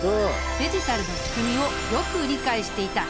デジタルの仕組みをよく理解していた。